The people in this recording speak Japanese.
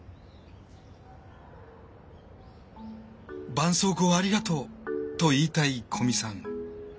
「ばんそうこうありがとう」と言いたい古見さん。